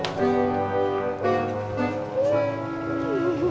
apalagi ini rumahnya kotor